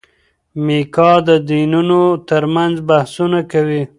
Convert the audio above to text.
میکا د دینونو ترمنځ بحثونه کوي.